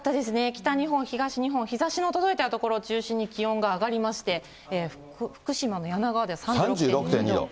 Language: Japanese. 北日本、東日本、日ざしの届いた所中心に気温が上がりまして、福島の梁川では３６．２度。